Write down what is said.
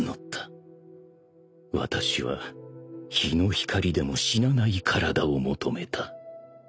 ［私は日の光でも死なない体を求めた］